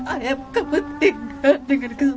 ayam kepentingan dengan kesalahan palsu itu